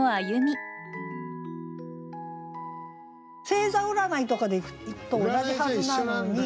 星座占いとかでいくと同じはずなのに。